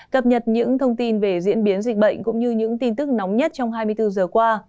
cập nhật những thông tin về diễn biến dịch bệnh cũng như những tin tức nóng nhất trong hai mươi bốn giờ qua